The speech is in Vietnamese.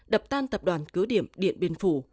đập tan tập đoàn cứ điểm điện biên phủ